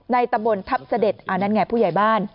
ในตะบนทัพเสด็จนั่นไงผู้ใหญ่บ้าน